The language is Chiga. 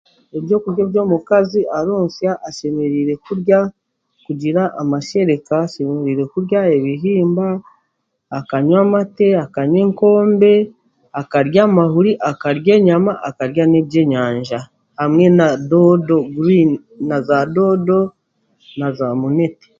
Ebyokurya ebyomukazi aronsya ashemereire kurya kugira amashereka, ashemereire kurya ebihimba, akanywa amate, akanywa enkombe, akarya amahuri, akarya enyama karya n'eby'enyanja. Hamwe na doodo guriinizi, n'aza doodo, n'aza munete.